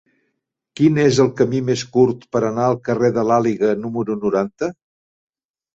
Quin és el camí més curt per anar al carrer de l'Àliga número noranta?